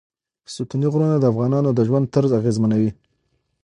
ستوني غرونه د افغانانو د ژوند طرز اغېزمنوي.